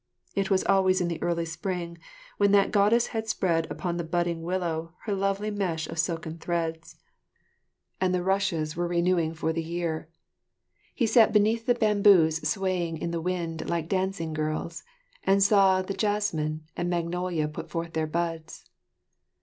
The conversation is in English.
It was always in the early spring when "that Goddess had spread upon the budding willow her lovely mesh of silken threads, and the rushes were renewing for the year." He sat beneath the bamboos swaying in the wind like dancing girls, and saw the jessamine and magnolia put forth their buds.